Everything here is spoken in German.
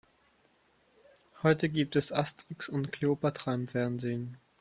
Heute gibt es Asterix und Kleopatra im Fernsehen.